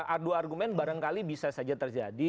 adu argumen barangkali bisa saja terjadi